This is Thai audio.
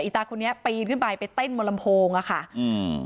ตาคนนี้ปีนขึ้นไปไปเต้นบนลำโพงอ่ะค่ะอืม